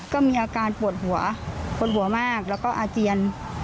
ก็มีอาการปวดหัวปวดหัวมากแล้วก็อาเจียน